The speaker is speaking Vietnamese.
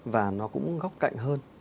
và nó cũng góc cạnh hơn